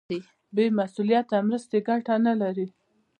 بې مسولیته مرستې ګټه نه لري.